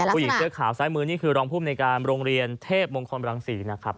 ผู้หญิงเสื้อขาวซ้ายมือนี่คือรองภูมิในการโรงเรียนเทพมงคลรังศรีนะครับ